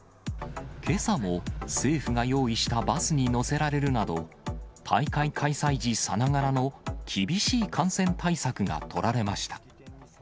けさも、政府が用意したバスに乗せられるなど、大会開催時さながらの厳しい感染対策が取られました。